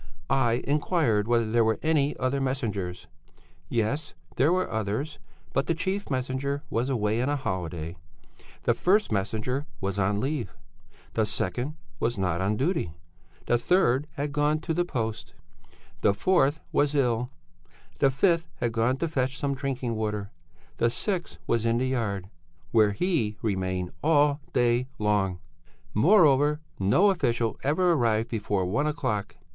I inquired whether there were any other messengers. Yes, there were others. But the chief messenger was away on a holiday; the first messenger was on leave; the second was not on duty; the third had gone to the post; the fourth was ill; the fifth had gone to fetch some drinking water; the sixth was in the yard 'where he remained all day long'; moreover, no official ever arrived before one o'clock.